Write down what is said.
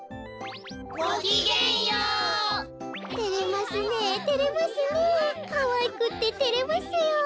てれますねえてれますねえかわいくっててれますよ。